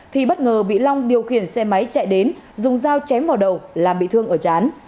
thì bất ngờ bị long điều khiển xe máy chạy đến dùng dao chém vào đầu làm bị thương ở chán